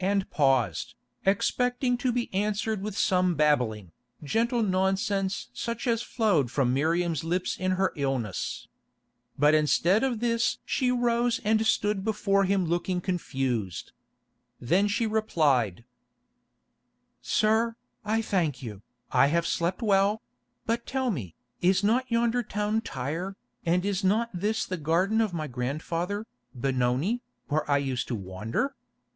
and paused, expecting to be answered with some babbling, gentle nonsense such as flowed from Miriam's lips in her illness. But instead of this she rose and stood before him looking confused. Then she replied: "Sir, I thank you, I have slept well; but tell me, is not yonder town Tyre, and is not this the garden of my grandfather, Benoni, where I used to wander?